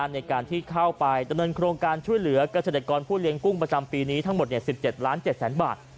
ในการที่เข้าไปดำเนินโครงการช่วยเหลือกเกษตรกรผู้เลี้ยงกุ้งประจำปีนี้ทั้งหมด๑๗๗๐๐๐บาท